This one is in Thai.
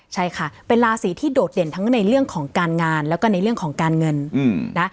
ใช่ค่ะเป็นราศีที่โดดเด่นทั้งในเรื่องของการงานแล้วก็ในเรื่องของการเงินนะ